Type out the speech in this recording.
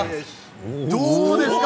どうですか？